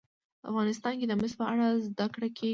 افغانستان کې د مس په اړه زده کړه کېږي.